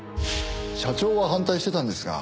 社長は反対してたんですが。